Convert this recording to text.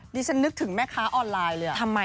ดิฉันนึกถึงแม่ค้าออนไลน์เลยอะ